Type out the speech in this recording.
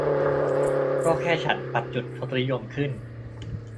ก็แค่ฉันปัดจุดทศนิยมขึ้น